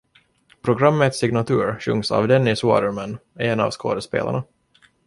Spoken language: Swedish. Programmets signatur sjungs av Dennis Waterman, en av skådespelarna.